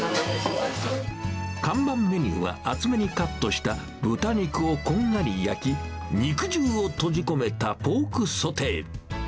看板メニューは厚めにカットした豚肉をこんがり焼き、肉汁を閉じ込めたポークソテイ。